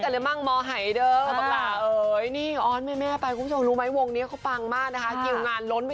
แล้วฟังลีลาการอนของตัวแทนนักแสดงน้องไต้